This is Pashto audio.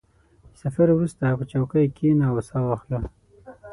• د سفر وروسته، په چوکۍ کښېنه او سا واخله.